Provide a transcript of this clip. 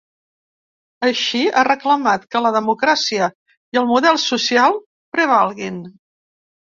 Així, ha reclamat que “la democràcia i el model social” prevalguin.